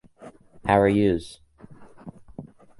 How are youse?